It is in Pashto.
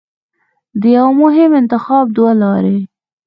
د یوه مهم انتخاب دوه لارې